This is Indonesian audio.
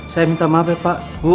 saya minta maaf ya pak